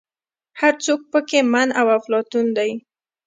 هر څوک په کې من او افلاطون دی.